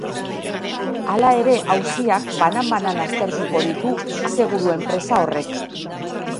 Hala ere, auziak banan-banan aztertuko ditu aseguru-enpresa horrek.